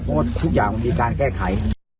เพราะว่าทุกอย่างมันมีการแก้ไข